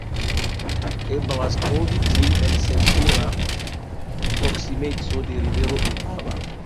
Eblas trovi ĝin en senpera proksimeco de rivero Opava.